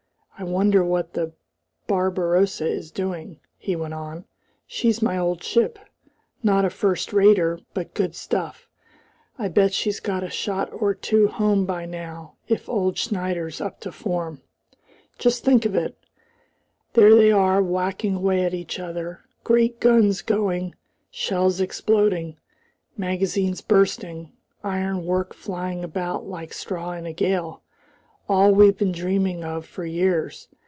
I wonder what the Barbarossa is doing," he went on, "She's my old ship. Not a first rater, but good stuff. I bet she's got a shot or two home by now if old Schneider's up to form. Just think of it! There they are whacking away at each other, great guns going, shells exploding, magazines bursting, ironwork flying about like straw in a gale, all we've been dreaming of for years!